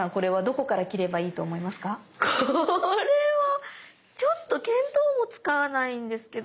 これはちょっと見当もつかないんですけど。